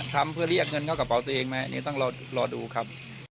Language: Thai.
ทำเพื่อเรียกเงินเข้ากระเป๋าตัวเองไหมเนี่ยต้องรอดูครับ